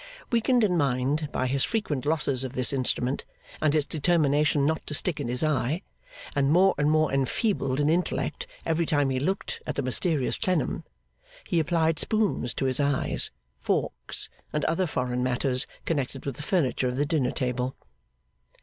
Weakened in mind by his frequent losses of this instrument, and its determination not to stick in his eye, and more and more enfeebled in intellect every time he looked at the mysterious Clennam, he applied spoons to his eyes, forks, and other foreign matters connected with the furniture of the dinner table.